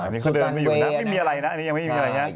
นี่เขาเดินไม่อยู่นะไม่มีอะไรนะ